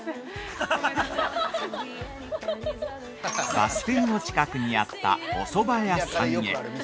◆バス停の近くにあったおそば屋さんへ。